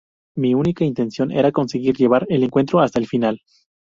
Mi única intención era conseguir llevar el encuentro hasta el final".